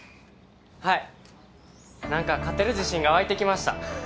はいなんか勝てる自信が湧いてきました